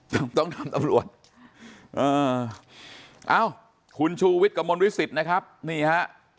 ต้องต้องถามตำรวจเออเอ้าคุณชูวิทย์กระมวลวิสิตนะครับนี่ฮะ